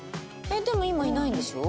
えっでも今いないんでしょ？